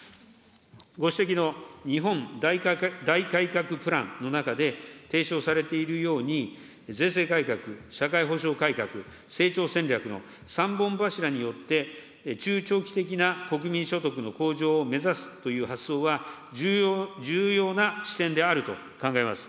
ご指摘の日本大改革プランの中で、提唱されているように、税制改革、社会保障改革、成長戦略の３本柱によって、中長期的な国民所得の向上を目指すという発想は重要な視点であると考えます。